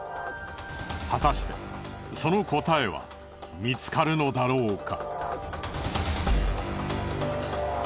果たしてその答えは見つかるのだろうか？